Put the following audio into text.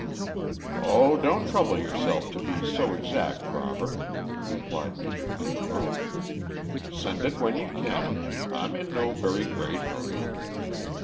"O don't trouble yourself to be so exact, Robert," replied Maj. Pagebrook. "Send it when you can; I'm in no very great hurry.